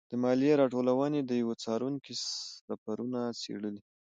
د مالیې راټولونې د یوه څارونکي سفرونه څېړلي.